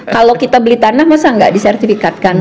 kalau kita beli tanah masa nggak disertifikatkan